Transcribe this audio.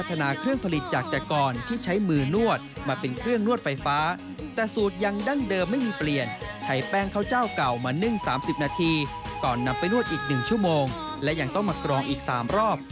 ที่นี่เขาก็มีของดีของเด็ดที่ไม่มีใครเหมือนแล้วก็ไม่เหมือนใคร